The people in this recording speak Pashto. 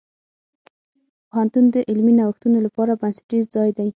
پوهنتون د علمي نوښتونو لپاره بنسټیز ځای دی.